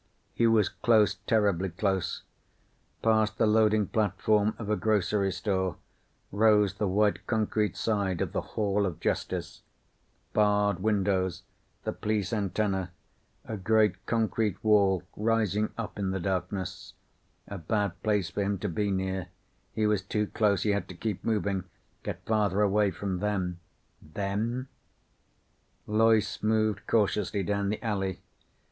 He was close, terribly close. Past the loading platform of a grocery store rose the white concrete side of the Hall of Justice. Barred windows. The police antenna. A great concrete wall rising up in the darkness. A bad place for him to be near. He was too close. He had to keep moving, get farther away from them. Them? Loyce moved cautiously down the alley.